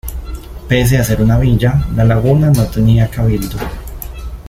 Pese a ser una villa, La Laguna no tenía cabildo.